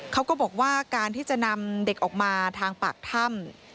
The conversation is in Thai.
เขาก็บอกว่าการที่จะนำเด็กออกมาทางปากถ้ำ